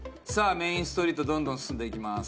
メインストリートどんどん進んでいきます。